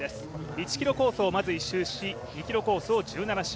１ｋｍコースをまず１周し、２ｋｍコースを１７周。